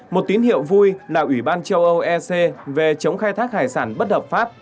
một tín hiệu vui là ủy ban châu âu ec về chống khai thác hải sản bất hợp pháp